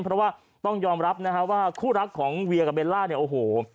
เพราะว่าต้องยอมรับนะฮะว่าคู่รักของเวียกับเบลล่าเนี่ยโอ้โห